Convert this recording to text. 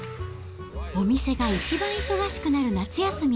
お店が一番忙しくなる夏休み。